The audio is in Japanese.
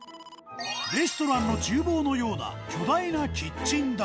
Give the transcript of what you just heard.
レストランの厨房のような巨大なキッチン台